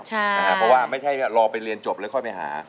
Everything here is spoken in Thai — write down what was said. เพราะว่าไม่ใช่รอไปเรียนจบแล้วค่อยไปหา